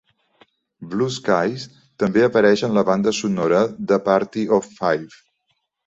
"Blue Skies" també apareix en la banda sonora de "Party of Five".